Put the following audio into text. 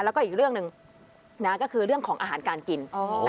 แล้วก็อีกเรื่องหนึ่งก็คือเรื่องของอาหารการกิน